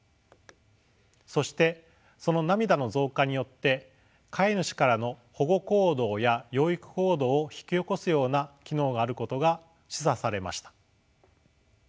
そしてその涙の増加によって飼い主からの保護行動や養育行動を引き起こすような機能があることが示唆されました。